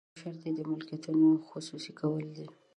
یو شرط یې د ملکیتونو خصوصي کول دي.